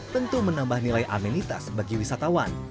tentu menambah nilai amenitas bagi wisatawan